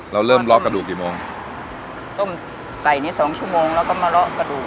เราเริ่มเลาะกระดูกกี่โมงต้มไก่นี่สองชั่วโมงแล้วก็มาเลาะกระดูก